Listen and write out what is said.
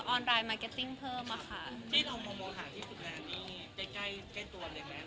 ออนไลน์มาร์เก็ตติ้งเพิ่มอะค่ะที่เราโมหาที่ฝึกงานนี่ใกล้ใกล้ตัวเลยไหม